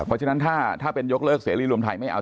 เพราะฉะนั้นถ้าเป็นยกเลิกเสรีรวมไทยไม่เอา